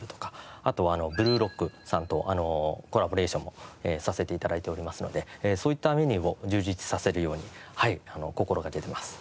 あと『ブルーロック』さんとコラボレーションもさせて頂いておりますのでそういったメニューを充実させるように心がけてます。